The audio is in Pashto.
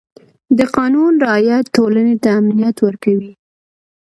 د قانون رعایت ټولنې ته امنیت ورکوي.